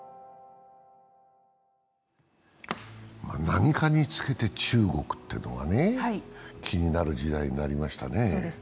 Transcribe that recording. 何かにつけて中国というのが気になる時代になりましたね。